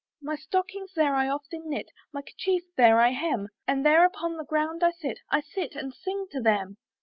"My stockings there I often knit, "My 'kerchief there I hem; "And there upon the ground I sit "I sit and sing to them.